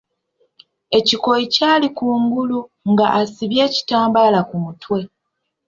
Ekikooyi kyali kungulu nga asibye ekitambaala ku mutwe.